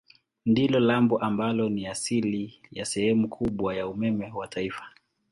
Ndilo lambo ambalo ni asili ya sehemu kubwa ya umeme wa taifa.